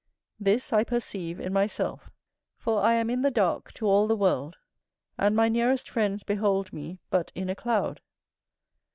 This I perceive in myself; for I am in the dark to all the world, and my nearest friends behold me but in a cloud.